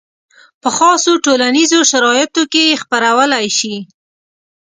په خاصو ټولنیزو شرایطو کې یې خپرولی شي.